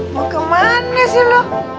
mau ke mana sih lu